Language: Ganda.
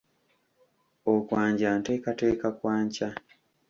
Okwanja nteekateeka kwa nkya.